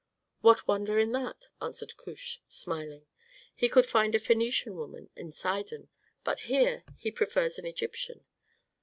"What wonder in that?" answered Kush, smiling. "He could find a Phœnician woman in Sidon, but here he prefers an Egyptian.